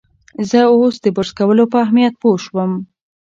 زه اوس د برس کولو پر اهمیت پوه شوم.